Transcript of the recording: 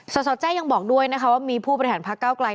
ศาสตร์ใจ้ยังบอกด้วยนะครับว่ามีผู้ประหลาดพระเข้ากลาย